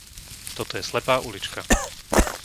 Toto je slepá ulička.